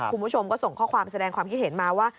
คุณผู้ชมก็ส่งข้อความแสดงความคิดเห็นมาว่า